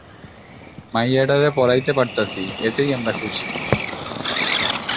মাইয়াডারে পড়াইতে পারতাছি, এতেই আমরা খুশি।